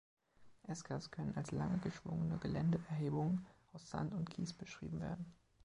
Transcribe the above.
Eskers können als lange, geschwungene Geländeerhebungen aus Sand und Kies beschrieben werden.